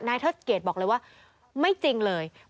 เทิดเกจบอกเลยว่าไม่จริงเลย